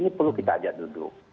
ini perlu kita ajak duduk